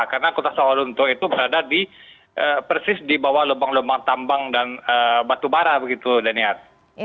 karena kota sawalunto itu berada di persis di bawah lubang lubang tambang dan batubara begitu daniar